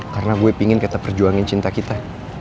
karena gue pingin kita perjuangin cinta kita